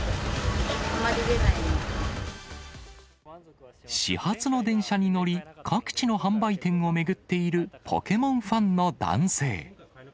なんか、始発の電車に乗り、各地の販売店を巡っているポケモンファンの男性。